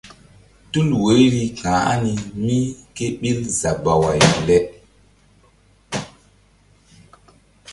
Tul woiri ka̧h ani mí ké zabaway le?